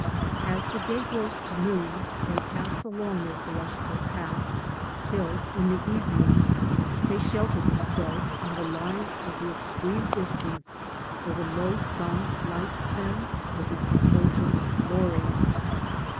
As the day grows to noon, they pass along their celestial path till, in the evening, they shelter themselves on the line of the extreme distance, where the low sun lights them with his effulgent glory.